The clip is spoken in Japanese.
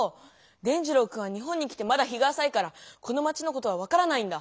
伝じろうくんは日本に来てまだ日があさいからこのまちのことは分からないんだ。